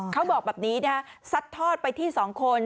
เขาบอกแบบนี้นะฮะซัดทอดไปที่๒คน